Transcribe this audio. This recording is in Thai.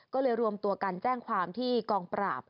ก็เลยรวมตัวกันแจ้งความที่กองปราบ